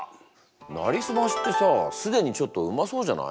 「なりすまし」ってさ既にちょっとうまそうじゃない？